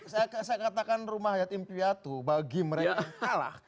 saya katakan rumah yatim piatu bagi mereka